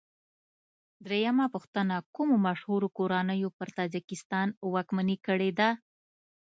درېمه پوښتنه: کومو مشهورو کورنیو پر تاجکستان واکمني کړې ده؟